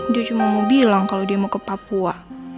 dia cuma mau bilang kalau dia mau ke papua